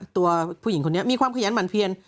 ตัวผู้หญิงคนนี้มีความขยันหมั่นเพียน